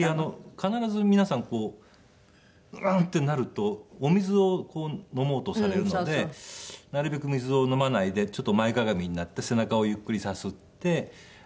必ず皆さんん！ってなるとお水を飲もうとされるのでなるべく水を飲まないでちょっと前屈みになって背中をゆっくりさすって。